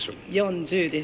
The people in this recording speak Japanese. ４０です。